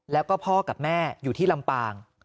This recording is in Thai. แล้วก็พ่อกับแม่อยู่ที่ลำปาง